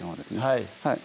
はい